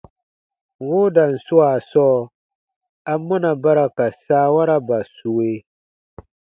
Woodan swaa sɔɔ, amɔna ba ra ka saawaraba sue?